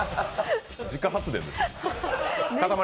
自家発電ですか。